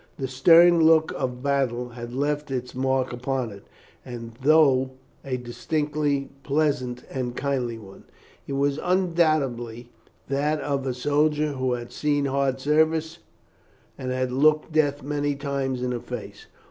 The stern, set look of battle had left its mark upon it, and though a distinctly pleasant and kindly one, it was undoubtedly that of a soldier who had seen hard service and had looked death many times in the face.